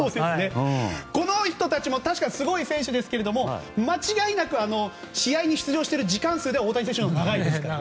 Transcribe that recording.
この人たちも確かにすごい選手ですけど間違いなく試合に出場してる時間数では大谷選手のほうが長いですから。